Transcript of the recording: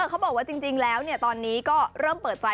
เขาบอกว่าจริงแล้วตอนนี้ก็เริ่มเปิดใจ